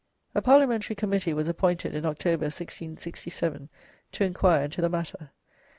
A Parliamentary Committee was appointed in October, 1667, to inquire into the matter.